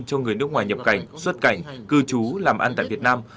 cho người nước ngoài nhập cảnh xuất cảnh cư trú làm ăn tại việt nam